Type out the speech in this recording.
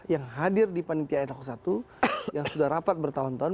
yang hadir di panitia hedok satu yang sudah rapat bertahun tahun